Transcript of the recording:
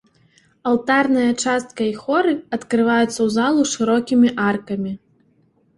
Алтарная частка і хоры адкрываюцца ў залу шырокімі аркамі.